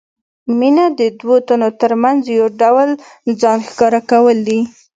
مینه د دوو تنو ترمنځ یو ډول ځان ښکاره کول دي.